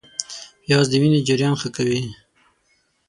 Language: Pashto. پیاز د وینې جریان ښه کوي